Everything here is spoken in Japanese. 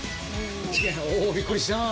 近いおびっくりした！